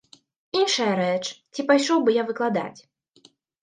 Іншая рэч, ці пайшоў бы я выкладаць.